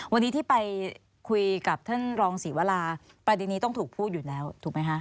วันนี้ที่ไปคุยกับท่านรองศรีวราประเด็นนี้ต้องถูกพูดอยู่แล้วถูกไหมคะ